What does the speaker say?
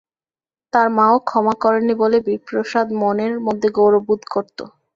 তার মাও ক্ষমা করেন নি বলে বিপ্রদাস মনের মধ্যে গৌরব বোধ করত।